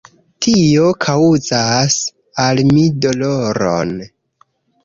Tio kaŭzas al mi doloron.